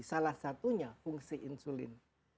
salah satunya fungsi insulin